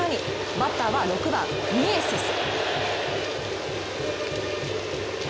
バッターは６番・ミエセス。